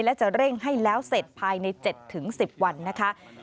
และจะเร่งให้แล้วเสร็จภายใน๗๑๐วันนะคะ